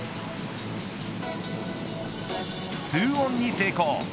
２オンに成功。